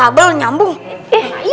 gak pernah nyambung ya